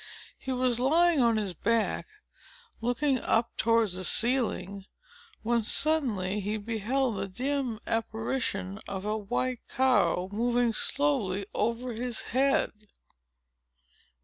He was lying on his back, looking up towards the ceiling, when suddenly he beheld the dim apparition of a white cow, moving slowly over his head!